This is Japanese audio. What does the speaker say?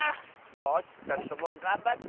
よしふたりともがんばって！